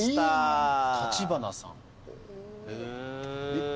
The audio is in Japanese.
・橘さん。